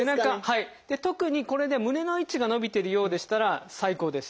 特にこれで胸の位置が伸びてるようでしたら最高です。